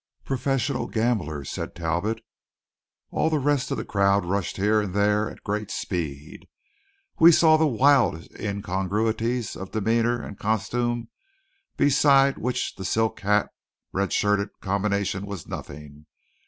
"Professional gamblers," said Talbot. All the rest of the crowd rushed here and there at a great speed. We saw the wildest incongruities of demeanour and costume beside which the silk hat red shirted combination was nothing.